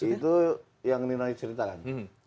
itu yang nino yaitu cerita kan